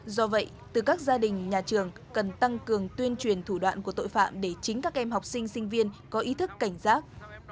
do vậy từ các gia đình nhà trường cần tăng cường tuyên truyền thủ đoạn của tội phạm để chính các em học sinh sinh viên có ý thức cảnh giác